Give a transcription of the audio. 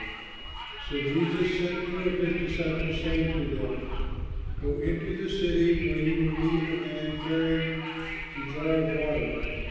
[Illustration: The Last Supper] So Jesus sent two of his disciples, saying to them, "Go into the city, where you will meet a man carrying a jar of water.